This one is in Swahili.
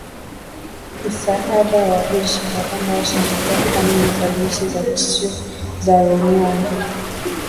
msaada wa jeshi la Rwanda, walishambulia kambi za jeshi za Tchanzu na Runyonyi